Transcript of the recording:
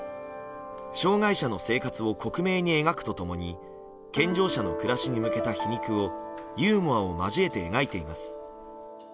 障害者の生活を克明に描くと共に健常者の暮らしに向けた皮肉をユーモアを交えて描いています。